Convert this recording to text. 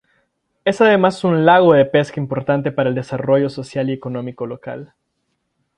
Es además un lago de pesca importante para el desarrollo social y económico local.